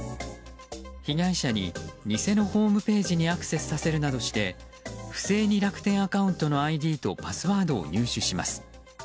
被害者に偽のホームページにアクセスさせるなどして不正に楽天アカウントのＩＤとパスワードを入手します。